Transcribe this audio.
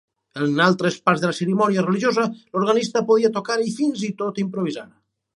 En altres parts de la cerimònia religiosa, l'organista podia tocar i fins i tot improvisar.